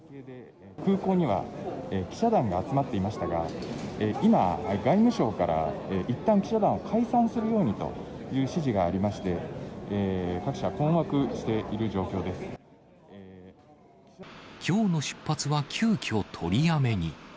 空港には記者団が集まっていましたが、今、外務省から、いったん記者団を解散するようにという指示がありまして、各社、きょうの出発は急きょ取りやめに。